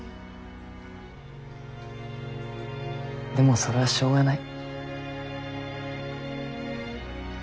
でもそれはしょうがない。